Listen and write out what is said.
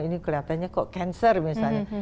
ini kelihatannya kok cancer misalnya